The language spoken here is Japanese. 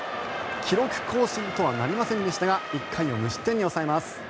記録更新とはなりませんでしたが１回を無失点に抑えます。